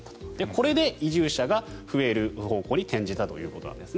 これで移住者が増える方向に転じたということなんです。